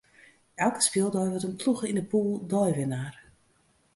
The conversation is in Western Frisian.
Elke spyldei wurdt in ploech yn de pûle deiwinner.